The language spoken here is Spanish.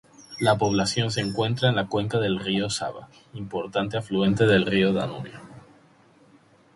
La población se encuentra en la cuenca del río Sava, importante afluente del Danubio.